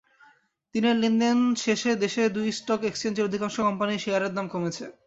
দিনের লেনদেন শেষে দেশের দু্ই স্টক এক্সচেঞ্জের অধিকাংশ কোম্পানির শেয়ারের দাম কমেছে।